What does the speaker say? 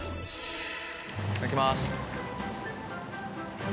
いただきます。